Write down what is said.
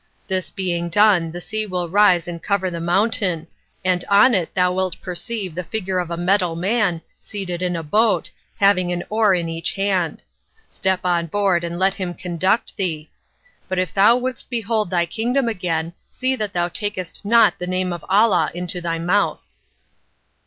This being done the sea will rise and cover the mountain, and on it thou wilt perceive the figure of a metal man seated in a boat, having an oar in each hand. Step on board and let him conduct thee; but if thou wouldest behold thy kingdom again, see that thou takest not the name of Allah into thy mouth."